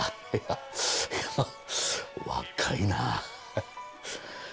いや若いなあ。